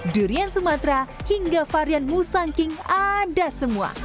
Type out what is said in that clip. durian sumatra hingga varian musang king ada semua